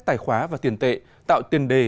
tài khoá và tiền tệ tạo tiền đề